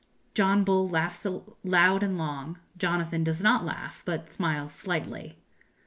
John Bull laughs loud and long; Jonathan does not laugh, but smiles slightly.